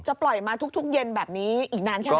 ปล่อยมาทุกเย็นแบบนี้อีกนานแค่ไหน